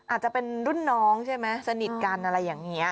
อาจจะเป็นรุ่นน้องใช่ไหมสนิทกันอะไรอย่างนี้